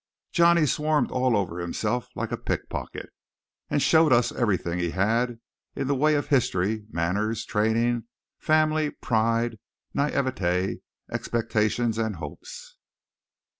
Johnny swarmed all over himself like a pickpocket, and showed us everything he had in the way of history, manners, training, family, pride, naïveté, expectations and hopes.